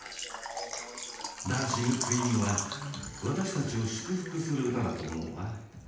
「ダンシング・クイーン」は私たちを祝福する歌だと思うわ。